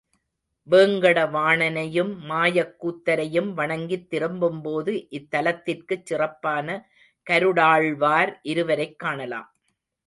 வேங்கட வாணனையும் மாயக் கூத்தரையும் வணங்கித் திரும்பும்போது இத்தலத்திற்குச் சிறப்பான கருடாழ்வார் இருவரைக் காணலாம்.